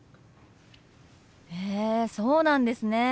へえそうなんですね。